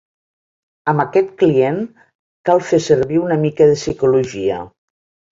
Amb aquest client cal fer servir una mica de psicologia.